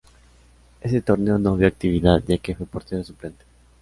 Ese torneo no vio actividad, ya que fue portero suplente.